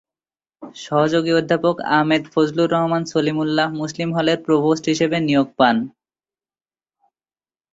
সহযোগী অধ্যাপক আহমেদ ফজলুর রহমান সলিমুল্লাহ মুসলিম হলের প্রভোস্ট হিসাবে নিয়োগ পান।